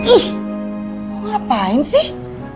ih ngapain sih